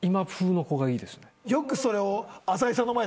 よくそれを。